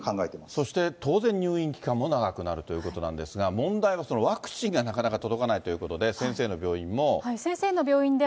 そして当然、入院期間も長くなるということなんですが、問題はそのワクチンがなかなか届かないということで、先生の病院も。